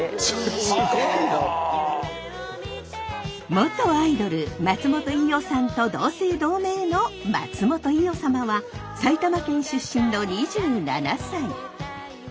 元アイドル松本伊代さんと同姓同名の松本伊代サマは埼玉県出身の２７歳。